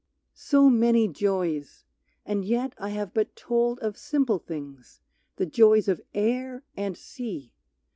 So many joys, and yet I have but told Of simple things, the joys of air and sea!